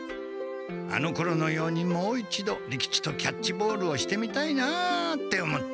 あのころのようにもう一度利吉とキャッチボールをしてみたいなって思って。